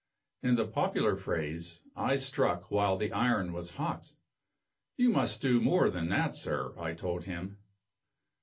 In the popular phrase, I struck while the iron was hot. "You must do more than that, sir," I told him.